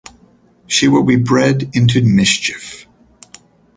She will be bred to Into Mischief.